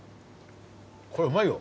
これうまいよ。